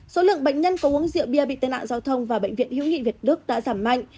số lượng bệnh nhân có uống rượu bia bị tai nạn giao thông và bệnh viện hữu nghị việt đức đã giảm mạnh